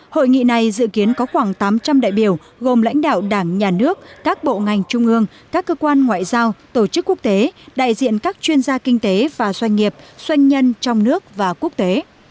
hội nghị này dự kiến có khoảng tám trăm linh đại biểu gồm lãnh đạo đảng nhà nước các bộ ngành trung ương các cơ quan ngoại giao tổ chức quốc tế đại diện các chuyên gia kinh tế và doanh nghiệp doanh nhân trong nước và quốc tế